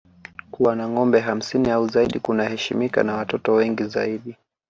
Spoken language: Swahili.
Kuwa na ngombe hamsini au zaidi kunaheshimika na watoto wengi zaidi